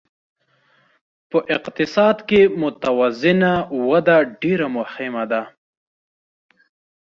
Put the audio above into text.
په اقتصاد کې متوازنه وده ډېره مهمه ده.